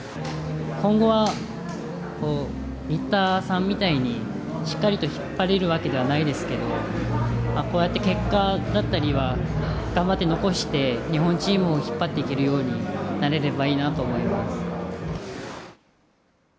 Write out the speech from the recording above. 今後は、新田さんみたいにしっかりと引っ張れるわけではないですけどこうやって結果だったりは頑張って残して日本チームを引っ張っていけるようになれればいいなと思います。